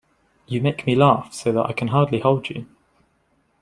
You make me laugh so that I can hardly hold you!